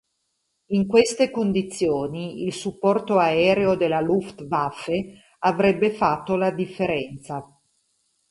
In queste condizioni, il supporto aereo della Luftwaffe avrebbe fatto la differenza.